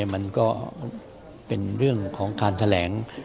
มันก็เป็นเรื่องของการแถลง